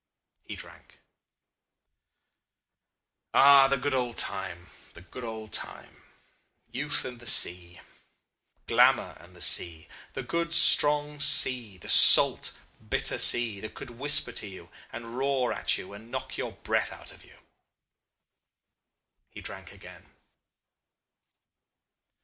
He drank. "Ah! The good old time the good old time. Youth and the sea. Glamour and the sea! The good, strong sea, the salt, bitter sea, that could whisper to you and roar at you and knock your breath out of you." He drank again.